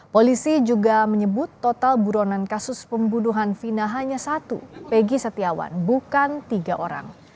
polisi juga menyebut total buronan kasus pembunuhan vina hanya satu pegi setiawan bukan tiga orang